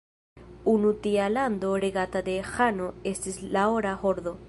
Unu tia lando regata de ĥano estis la Ora Hordo.